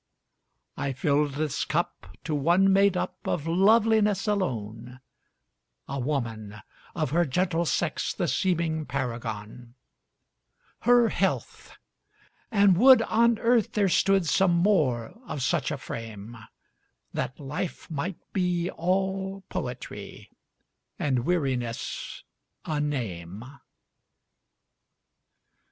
I filled this cup to one made up of loveliness alone,A woman, of her gentle sex the seeming paragon—Her health! and would on earth there stood some more of such a frame, That life might be all poetry, and weariness a name.